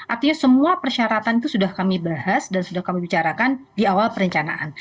artinya semua persyaratan itu sudah kami bahas dan sudah kami bicarakan di awal perencanaan